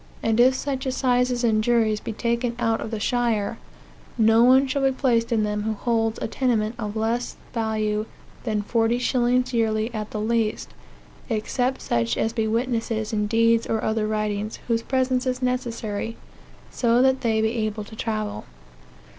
And if such assizes and juries be taken out of the shire, no one shall be placed in them who holds a tenement of less value than forty shillings yearly at the least, except such as be witnesses in deeds or other writings, whose presence is necessary, so that they be able to travel."